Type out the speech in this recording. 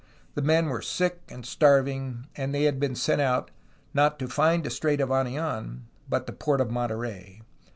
The men were sick and starving, and they had been sent out, not to find a Strait of Anidn, but the port of Monterey.